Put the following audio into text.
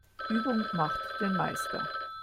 Übung macht den Meister.